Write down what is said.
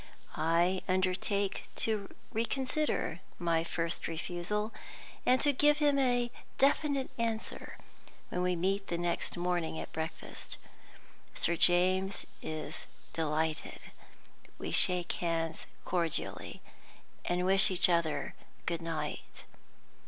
I undertake to reconsider my first refusal, and to give him a definite answer when we meet the next morning at breakfast. Sir James is delighted. We shake hands cordially, and wish each other good night.